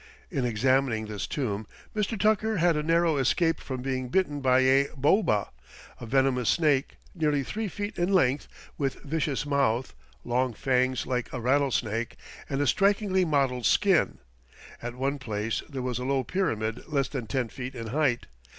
In examining this tomb Mr. Tucker had a narrow escape from being bitten by a boba, a venomous snake, nearly three feet in length, with vicious mouth, long fangs like a rattlesnake, and a strikingly mottled skin. At one place there was a low pyramid less than ten feet in height.